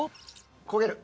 焦げる。